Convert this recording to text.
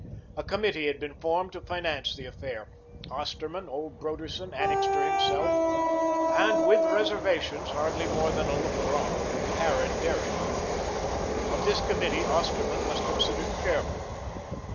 A committee had been formed to finance the affair Osterman, old Broderson, Annixter himself, and, with reservations, hardly more than a looker on, Harran Derrick. Of this committee, Osterman was considered chairman.